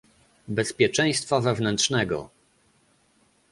Bezpieczeństwa Wewnętrznego